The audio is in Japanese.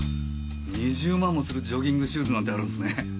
２０万もするジョギングシューズなんてあるんすね。